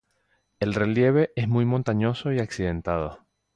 El relieve es muy montañoso y accidentado.